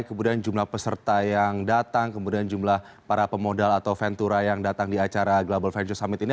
kemudian jumlah peserta yang datang kemudian jumlah para pemodal atau ventura yang datang di acara global venture summit ini